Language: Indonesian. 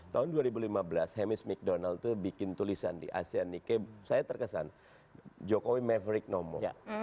tahun dua ribu lima belas hamish mcdonald tuh bikin tulisan di asean saya terkesan jokowi maverick nomor